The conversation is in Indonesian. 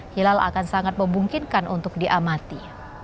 hilal akan sangat memungkinkan untuk diamati